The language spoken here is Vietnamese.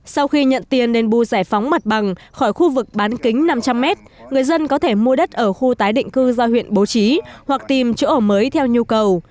sau khi nhận tiền đền bù giải phóng mặt bằng khỏi khu vực bán kính năm trăm linh m người dân có thể mua đất ở khu tái định cư do huyện bố trí hoặc tìm chỗ ở mới theo nhu cầu